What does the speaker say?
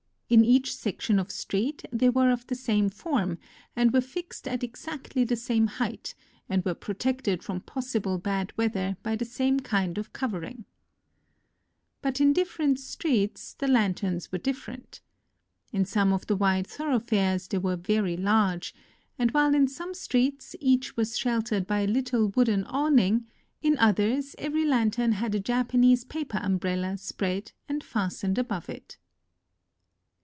In each section of street they were of the same form, and were fixed at exactly the same height, and were pro tected from possible bad weather by the same kind of covering. But in different streets the 46 NOTES OF A TRIP TO KYOTO lanterns were different. In some of the wide thorougMares they were very large ; and while in some streets each was sheltered by a little wooden awning, in others every lantern had a Japanese paper umbrella spread and fas tened above it.